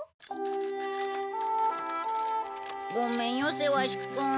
ごめんよセワシくん。